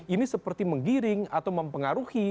ini seperti menggiring atau mempengaruhi proses keputusan